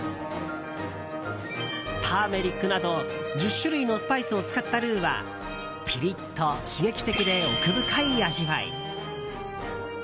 ターメリックなど、１０種類のスパイスを使ったルーはピリッと刺激的で奥深い味わい。